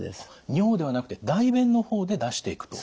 尿ではなくて大便の方で出していくと。